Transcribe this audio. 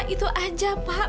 itu aja pak